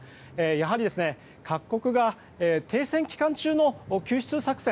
やはり、各国が停戦期間中の救出作戦